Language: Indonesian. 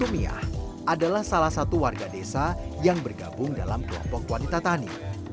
umiah adalah salah satu warga desa yang bergabung dalam kelompok wanita tani